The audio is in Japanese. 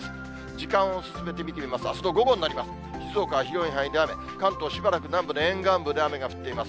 時間を進めて見てみますと、あすの午後になりますと、静岡は広い範囲で雨、関東、しばらく南部の沿岸部で雨が降っています。